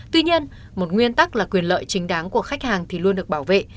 tuy nhiên một nguyên tắc là quyền lợi chính đáng của khách hàng thì luôn được bảo vệ